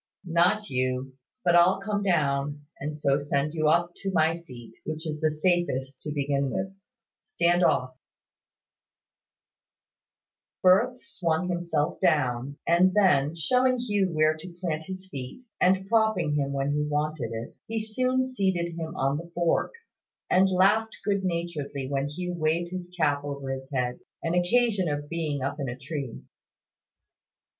"Not you: but I'll come down, and so send you up to my seat, which is the safest to begin with. Stand off." Firth swung himself down, and then, showing Hugh where to plant his feet, and propping him when he wanted it, he soon seated him on the fork, and laughed good naturedly when Hugh waved his cap over his head, on occasion of being up in a tree.